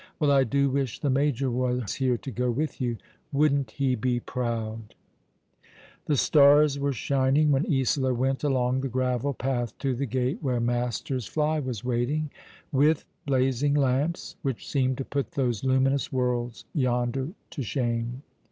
Well, I do wish the major was here to go with you. Wouldn't he be proud ?" The stars were shining when Isola went along the gravel path to the gate where Masters' fly was waiting, with blazing lamps, which seemed to put those luminous worlds yonder to shame.